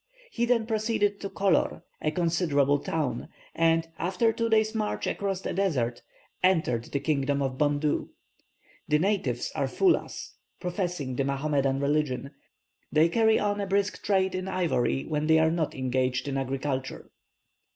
He then proceeded to Kolor, a considerable town, and, after two days' march across a desert, entered the kingdom of Bondou. The natives are Foulahs, professing the Mohammedan religion; they carry on a brisk trade in ivory, when they are not engaged in agriculture.